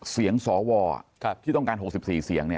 เสียงสวที่ต้องการ๖๔เสียง